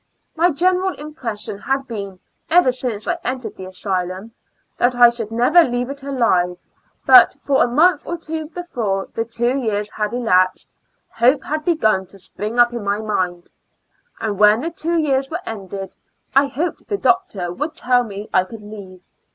My general impression had been, ever since I entered the asylum, that I should never leave it alive; but, for a month or two before the two years had elapsed, hope had begun to spring up in my mind ; and when the two years were ended I hoped the doctor would tell me I could leave.